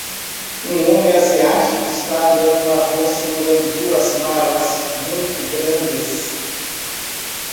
Um homem asiático está andando na rua segurando duas malas muito grandes.